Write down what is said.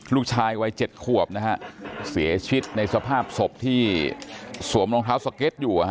ลูกชายวัย๗ขวบนะฮะเสียชีวิตในสภาพศพที่สวมรองเท้าสเก็ตอยู่